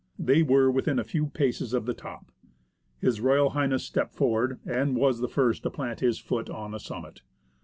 They were within a few paces of the top. H.R. H. stepped forward, and was the first to plant his foot on the summit.